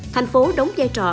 thành phố đóng giai trò